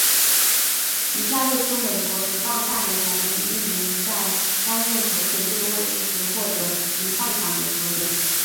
以下列出美国职棒大联盟国联历年在担任投手这个位置时获得银棒奖的球员。